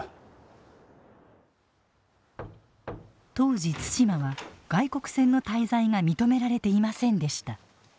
当時対馬は外国船の滞在が認められていませんでした。